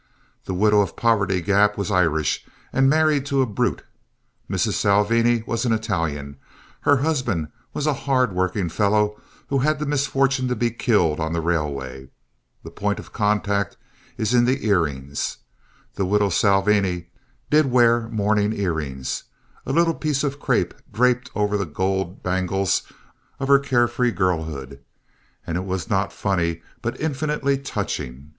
The widow of Poverty Gap was Irish and married to a brute. Mrs. Salvini was an Italian; her husband was a hard working fellow who had the misfortune to be killed on the railway. The point of contact is in the earrings. The widow Salvini did wear mourning earrings, a little piece of crape draped over the gold bangles of her care free girlhood, and it was not funny but infinitely touching.